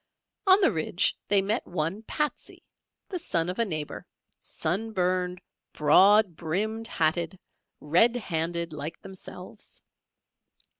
On the ridge they met one "Patsey," the son of a neighbour, sun burned, broad brimmed hatted, red handed, like themselves.